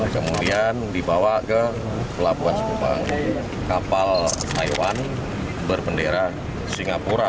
kemudian dibawa ke pelabuhan sukupang kapal taiwan berbendera singapura